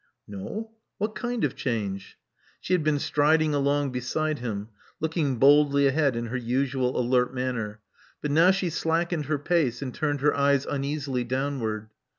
"No. What kind of change?" She had been striding along beside him, looking boldly ahead in her usual alert manner; but now she slackened her pace, and turned her eyes uneasily downward.